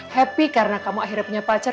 happy karena kamu akhirnya punya pacar